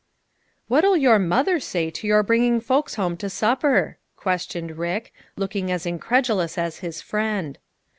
" What'll your mother say to your bringing folks home to supper?" questioned Rick, look ing as incredulous as his friend.